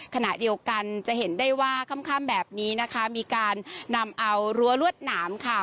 ขณะเดียวกันจะเห็นได้ว่าค่ำแบบนี้นะคะมีการนำเอารั้วรวดหนามค่ะ